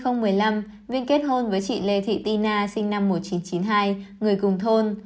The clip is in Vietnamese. năm hai nghìn một mươi năm viên kết hôn với chị lê thị ti na sinh năm một nghìn chín trăm chín mươi hai người cùng thôn